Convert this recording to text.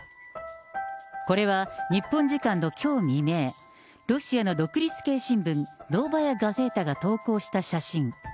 これは日本時間のきょう未明、ロシアの独立系新聞、ノーバヤ・ガゼータが投稿した写真。